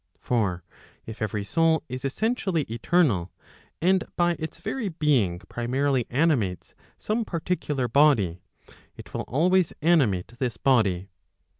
For if every soul is essentially eternal, and by its very being primarily animates some particular body, [it will always animate this body.